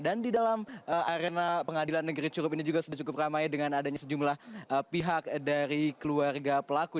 dan di dalam arena pengadilan negeri curup ini juga sudah cukup ramai dengan adanya sejumlah pihak dari keluarga pelaku